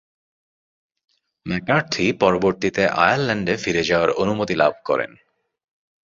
McCarthy পরবর্তীতে আয়ারল্যান্ডে ফিরে যাওয়ার অনুমতি লাভ করেন।